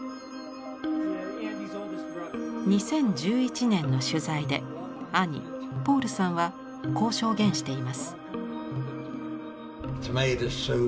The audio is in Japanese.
２０１１年の取材で兄ポールさんはこう証言しています。